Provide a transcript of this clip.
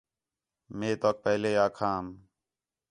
مے توک پہلے آکھام